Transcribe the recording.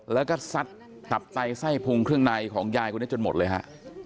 แล้วก็ซัดตับไตไส้พุงเครื่องในของยายคนนี้จนหมดเลยฮะ